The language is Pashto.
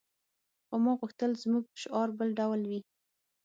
خو ما غوښتل زموږ شعار بل ډول وي